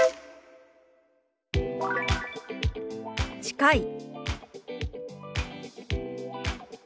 「近い」。